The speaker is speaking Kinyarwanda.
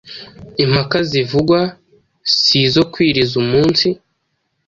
Impaka zivugwa si izo kwiriza umunsi,